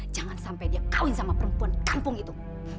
jangan sampai dia kawin sama perempuan kampung itu